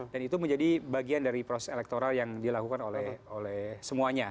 dan itu menjadi bagian dari proses elektoral yang dilakukan oleh semuanya